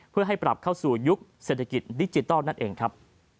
เพื่อให้ปรับเข้าสู่ยุคเศรษฐกิจดิจิทัลนั่นเองครับ